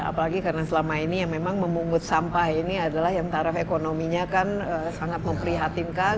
apalagi karena selama ini yang memang memungut sampah ini adalah yang taraf ekonominya kan sangat memprihatinkan